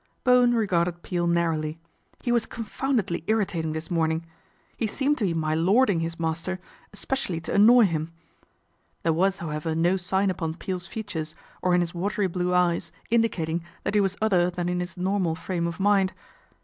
Bowen regarded Peel narrowly. He was con foundedly irritating this morning. He seemed to be my lording his master specially to annoy him. There was, however, no sign upon Peel's features or in his watery blue eyes indicating that he was other than in his normal frame of mind.